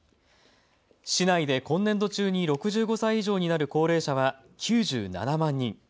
市内で今年度中に６５歳以上になる高齢者は９７万人。